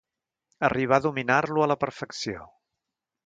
Arribà a dominar-lo a la perfecció.